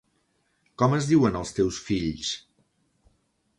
Com es diuen els teus fills?